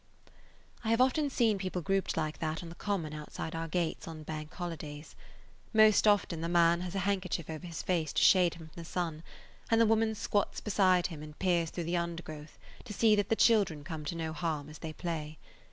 I have often seen people grouped like that on the common outside our gates on Bank holidays. Most often the man has a handkerchief over his face to shade him from the sun, and the woman squats beside him and peers through the undergrowth to see that the children come to no harm as they play.